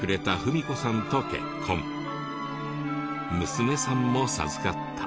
娘さんも授かった。